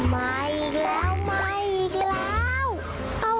มาอีกแล้ว